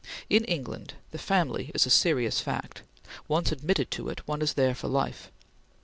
In England, the family is a serious fact; once admitted to it, one is there for life.